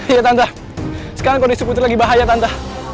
iya tante sekarang kondisi putri lagi bahaya tante